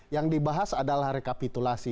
yang dibahas adalah rekapitulasi